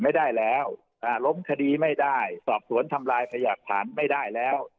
ไม่ได้แล้วล้มคดีไม่ได้สอบสวนทำลายพยากฐานไม่ได้แล้ว